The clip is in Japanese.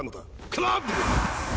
クラッブ！